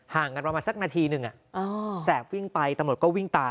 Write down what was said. กันประมาณสักนาทีหนึ่งแสบวิ่งไปตำรวจก็วิ่งตาม